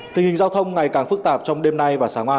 tình hình giao thông ngày càng phức tạp trong đêm nay và sáng mai